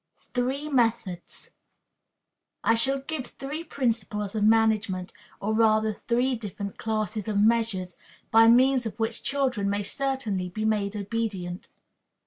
Three Methods. I shall give three principles of management, or rather three different classes of measures, by means of which children may certainly be made obedient.